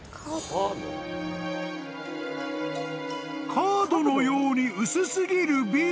［カードのように薄すぎるビル！？］